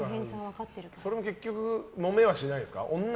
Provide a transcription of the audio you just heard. それは結局もめはしないんですか？